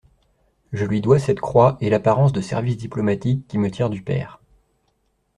Je lui dois cette croix et l'apparence de services diplomatiques qui me tirent du pair.